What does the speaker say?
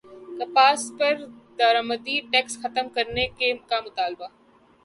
کپاس پر درامدی ٹیکس ختم کرنے کا مطالبہ